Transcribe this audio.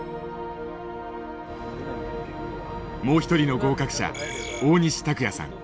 もう一人の合格者大西卓哉さん。